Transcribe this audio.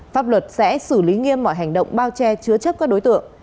pháp luật sẽ xử lý nghiêm mọi hành động bao che chứa chấp các đối tượng